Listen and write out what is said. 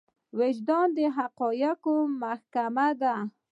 وجدان د حقايقو محکمه ده.